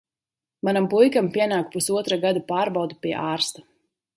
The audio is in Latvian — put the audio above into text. Manam puikam pienāk pusotra gada pārbaude pie ārsta.